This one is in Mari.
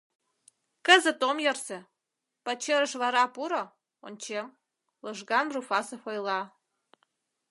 — Кызыт ом ярсе, пачерыш вара пуро — ончем, — лыжган Руфасов ойла.